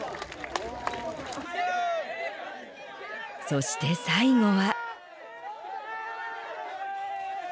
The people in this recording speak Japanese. そして最後は。